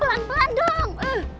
pelan pelan dong